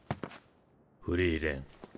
フリーレン。